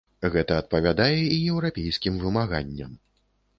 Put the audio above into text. Гэта адпавядае і еўрапейскім вымаганням.